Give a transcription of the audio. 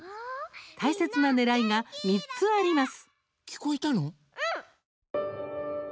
大切なねらいが、３つあります。